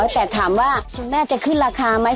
แต่ถามว่าคุณแม่จะขึ้นราคาไหม